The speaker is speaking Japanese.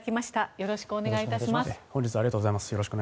よろしくお願いします。